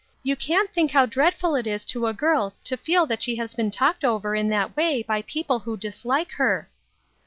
You can't think how dreadful it is to a girl to feel that she is been talked over in that way by people who dislike her."